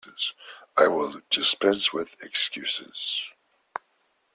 I will dispense with excuses.